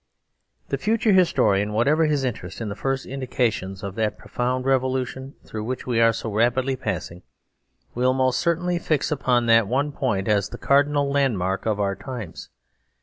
The future historian, whatever his interest in the first indications of that profound revolution through which we are so rapidly passing, will most certainly fix upon that one point as the cardinal landmark of our times.